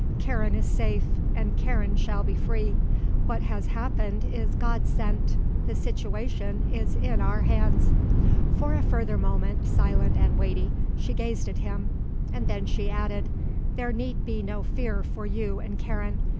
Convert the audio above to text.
Karen is safe, and Karen shall be free. What has happened is God sent. The situation is in our hands." For a further moment, silent and weighty, she gazed at him and then she added: "There need be no fear for you and Karen.